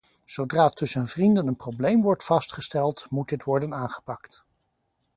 Zodra tussen vrienden een probleem wordt vastgesteld, moet dit worden aangepakt.